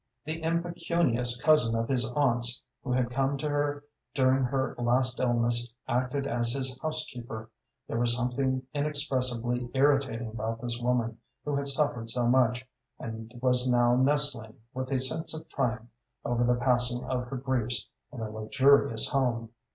The impecunious cousin of his aunt's who had come to her during her last illness acted as his housekeeper. There was something inexpressibly irritating about this woman, who had suffered so much, and was now nestling, with a sense of triumph over the passing of her griefs, in a luxurious home.